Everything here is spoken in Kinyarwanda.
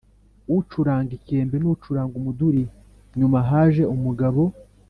ucuranga ikembe n’ucuranga umuduri. nyuma haje umugabo